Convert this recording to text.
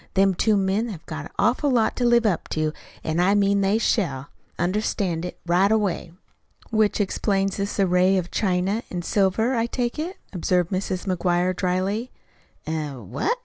Them two men have got an awful lot to live up to, an' I mean they shall understand it right away." "Which explains this array of china an' silver, I take it," observed Mrs. McGuire dryly. "Eh? What?"